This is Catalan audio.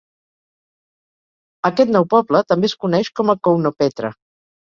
Aquest nou poble també es coneix com a Kounopetra.